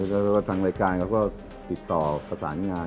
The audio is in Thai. จังรายการก็ติดต่อสถานงาน